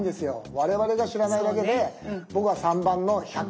我々が知らないだけで僕は３番の１００万以上ですね。